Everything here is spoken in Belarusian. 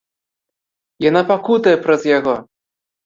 Яна пакутуе праз яго.